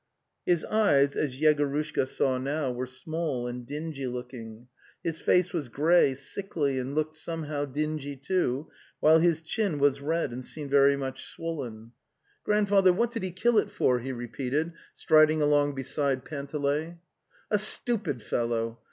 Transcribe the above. His eyes, as Yegorushka saw now, were small and dingy looking; his face was grey, sickly and looked somehow dingy too while his chin was red and seemed very much swollen. 222 The Tales of Chekhov '"' Grandfather, what did he kill it for?" he re peated, striding along beside Panteley. '"A stupid fellow.